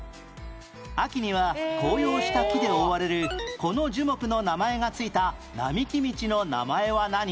秋には紅葉した木で覆われるこの樹木の名前が付いた並木道の名前は何？